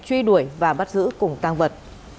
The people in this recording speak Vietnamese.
truy đuổi và bắt giữ cùng tăng vật